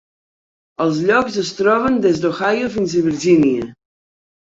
Els llocs es troben des d'Ohio fins a Virgínia.